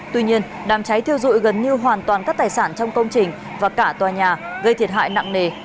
tuy nhiên đám cháy thiêu dụi gần như hoàn toàn các tài sản trong công trình và cả tòa nhà gây thiệt hại nặng nề